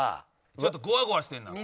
ちょっとゴワゴワしてるんだ。